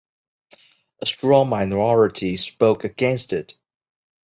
A strong minority spoke against it.